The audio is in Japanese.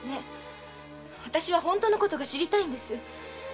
私は本当のことが知りたいのです。